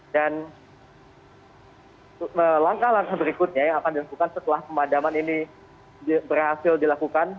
dan langkah langkah berikutnya yang akan dilakukan setelah pemadaman ini berhasil dilakukan